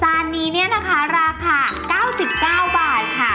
นี้เนี่ยนะคะราคา๙๙บาทค่ะ